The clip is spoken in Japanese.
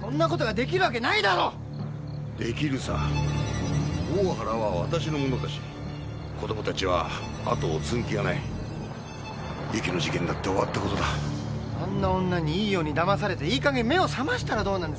そんなことができるわけなできるさおおはらは私の物だし子どもたちは跡を継ぐ気がない友紀の事件だって終わったことだあんな女にいいようにだまされていいかげん目を覚ましたらどうなんですか？